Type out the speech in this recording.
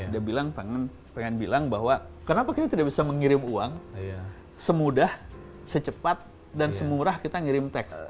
dia bilang pengen bilang bahwa kenapa kita tidak bisa mengirim uang semudah secepat dan semurah kita ngirim teks